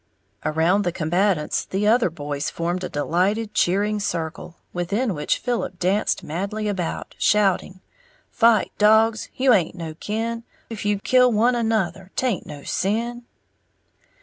Around the combatants the other boys formed a delighted, cheering circle, within which Philip danced madly about, shouting, Fight, dogs, you haint no kin, 'F you kill one another, taint no sin!